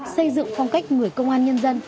xây dựng phong cách người công an nhân dân